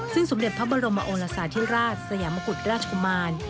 ซึ่งสมเด็จพระบรมอลศาสตร์ที่ราชสยามกุฎราชคมาร